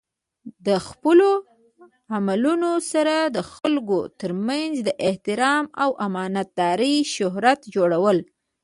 د خپلو عملونو سره د خلکو ترمنځ د احترام او امانت دارۍ شهرت جوړول.